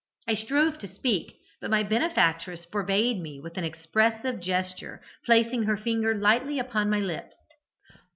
I strove to speak; but my benefactress forbade me with an expressive gesture, placing her finger lightly upon my lips.